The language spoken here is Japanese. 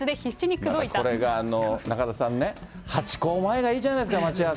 これが中田さんね、ハチ公前がいいじゃないですか、待ち合わせが。